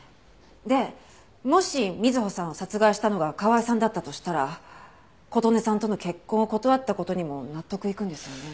でもし瑞穂さんを殺害したのが川井さんだったとしたら琴音さんとの結婚を断った事にも納得いくんですよね。